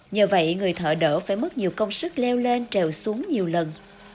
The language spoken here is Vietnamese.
nhờ vậy người thợ đỡ phải mất nhiều công sức leo lên trèo xuống nhiều lần